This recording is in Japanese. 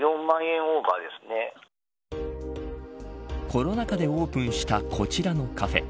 コロナ禍でオープンしたこちらのカフェ。